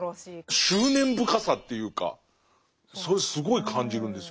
執念深さっていうかそれすごい感じるんですよね。